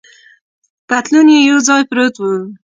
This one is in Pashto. پتلون یې یو ځای پروت و.